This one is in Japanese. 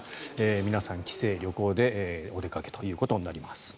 皆さん、帰省、旅行でお出かけということになります。